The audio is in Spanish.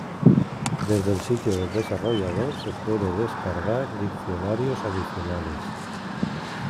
Desde el sitio del desarrollador se puede descargar diccionarios adicionales.